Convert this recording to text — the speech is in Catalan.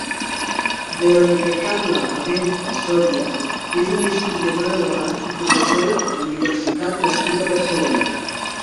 Verónica Carla Abenza Soria és una historiadora de l'art i professora d'universitat nascuda a Barcelona.